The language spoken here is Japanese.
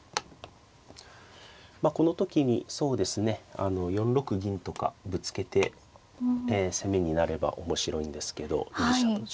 この時にそうですね４六銀とかぶつけて攻めになれば面白いんですけど居飛車としては。